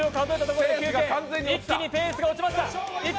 一気にペースが落ちました。